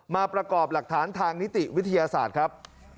ประกอบหลักฐานทางนิติวิทยาศาสตร์ครับ